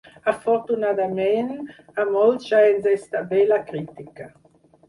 Afortunadament, a molts ja ens està bé la crítica.